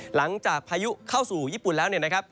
หลังจากพายุเข้าสู่ญี่ปุ่นแล้วเนี่ยนะครับ